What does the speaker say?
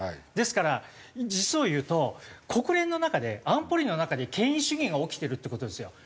ですから実を言うと国連の中で安保理の中で権威主義が起きてるって事ですよ。